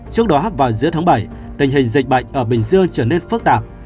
trước đó vào giữa tháng bảy tình hình dịch bệnh ở bình dương trở nên phức tạp